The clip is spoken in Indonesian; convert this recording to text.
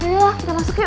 yolah kita masuk yuk